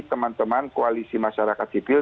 teman teman koalisi masyarakat sipil